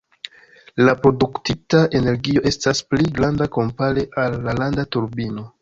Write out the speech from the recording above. La produktita energio estas pli granda kompare al landa turbino.